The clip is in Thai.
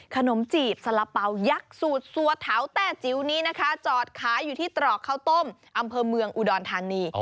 ขนมจีบสละเป๋ายักษ์สูตรสัวเท้าแต้จิ๋วนี้นะคะจอดขายอยู่ที่ตรอกข้าวต้มอำเภอเมืองอุดรธานี